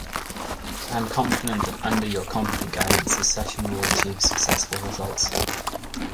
I am confident that under your competent guidance this session will achieve successful results.